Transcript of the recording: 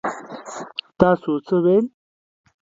تاسو څه ويل؟